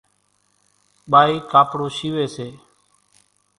ٻائِي ڪاپڙون شيويَ سي رئِي۔